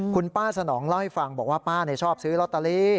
คุณป้าสนองเล่าให้ฟังบอกว่าป้าชอบซื้อลอตเตอรี่